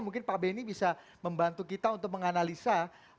mungkin pak benny bisa membantu kita untuk menganalisa